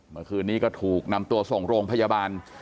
เมื่อคืนนี้ก็ถูกนำตัวส่งโรงพยาบาล